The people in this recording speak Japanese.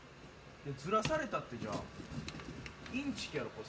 ずらされたってじゃあインチキやろこれ。